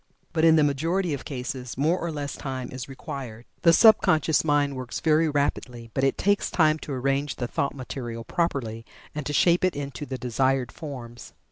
But in the majority of cases more or less time is required. The sub conscious mind works very rapidly, but it takes time to arrange the thought material properly, and to shape it into the desired forms.